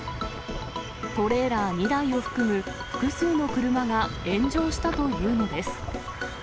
トレーラー２台を含む複数の車が炎上したというのです。